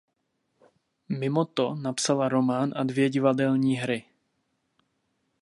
Mimo to napsala román a dvě divadelní hry.